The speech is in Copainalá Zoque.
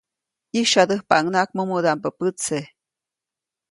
ʼYisyadäjpaʼuŋnaʼak mumudaʼmbä pätse.